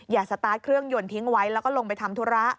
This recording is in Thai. สตาร์ทเครื่องยนต์ทิ้งไว้แล้วก็ลงไปทำธุระ